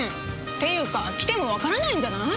っていうか来てもわからないんじゃない？